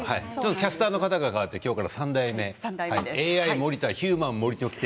キャスターが変わって今日から３代目ＡＩ森田、ヒューマン森